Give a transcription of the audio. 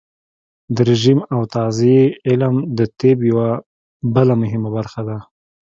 د رژیم او تغذیې علم د طب یوه بله مهمه برخه ده.